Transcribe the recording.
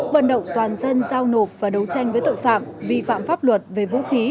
vận động toàn dân giao nộp và đấu tranh với tội phạm vi phạm pháp luật về vũ khí